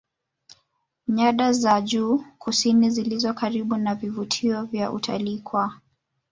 nyada za juu kusini zilizo karibu na vivutio vya utalii kwa